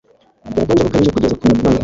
ubukonje bukabije kugeza kumano